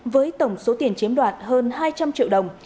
với tổng số tiền chiếm đoạt hơn hai trăm linh triệu đồng